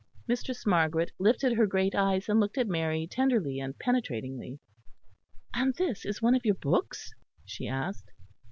Mistress Margaret lifted her great eyes and looked at Mary tenderly and penetratingly. "And this is one of your books?" she asked.